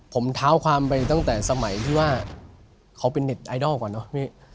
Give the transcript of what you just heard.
ผมเท้าความไปตั้งแต่สมัยที่ว่าเขาเป็นเน็ตไอดอลก่อนเนอะพี่